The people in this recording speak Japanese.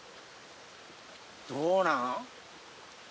どうなん？